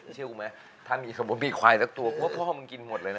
เชื่อมั้ยถ้ามีขวายสักตัวก็ว่าพ่อมึงกินหมดเลยนะ